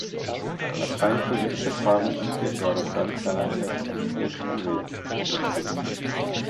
Was rein politische Fragen angeht, war das Land seinerzeit auf dem richtigen Weg.